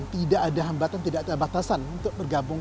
tidak ada hambatan tidak ada batasan untuk bergabung